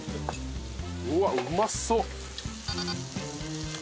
うわっうまそう！